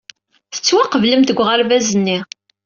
Tettwaqeblemt deg uɣerbaz-nni.